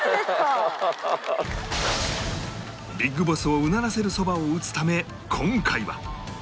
ＢＩＧＢＯＳＳ をうならせるそばを打つため今回は